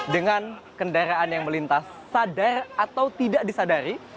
dengan kendaraan yang melintas sadar atau tidak disadari